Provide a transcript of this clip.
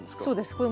そうです。